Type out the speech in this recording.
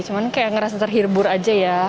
cuman kayak ngerasa terhibur aja ya